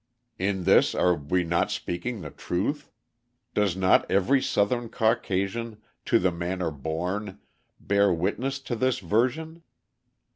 In this are we not speaking the truth? Does not every Southern Caucasian "to the manor born" bear witness to this version?